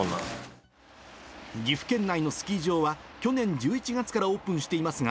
岐阜県内のスキー場は、去年１１月からオープンしていますが、